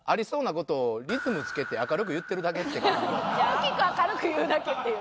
大きく明るく言うだけっていう。